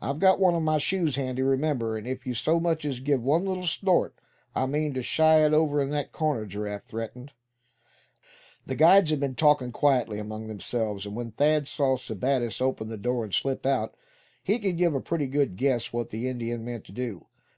"I've got one of my shoes handy, remember, and if you so much as give one little snort I mean to shy it over in that corner," Giraffe threatened. The guides had been talking quietly among themselves, and when Thad saw Sebattis open the door and slip out, he could give a pretty good guess what the Indian meant to do.